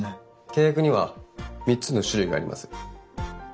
契約には３つの種類があります。